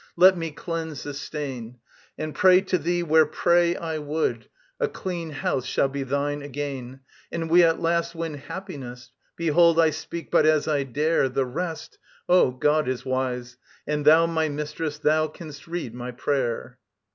Let me cleanse this stain, And pray to thee where pray I would: a clean house shall be thine again, And we at last win happiness. Behold, I speak but as I dare; The rest ... Oh, God is wise, and thou, my Mistress, thou canst read my prayer.